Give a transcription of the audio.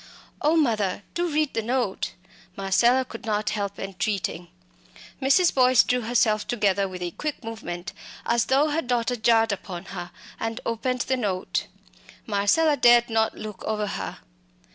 "Oh, mother! do read the note!" Marcella could not help entreating. Mrs. Boyce drew herself together with a quick movement as though her daughter jarred upon her, and opened the note. Marcella dared not look over her.